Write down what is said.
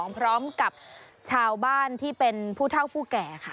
พร้อมกับชาวบ้านที่เป็นผู้เท่าผู้แก่ค่ะ